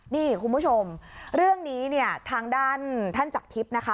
นี่คุณผู้ชมเรื่องนี้เนี่ยทางด้านท่านจักรทิพย์นะคะ